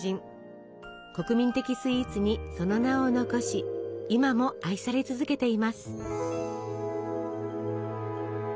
国民的スイーツにその名を残し今も愛され続けています。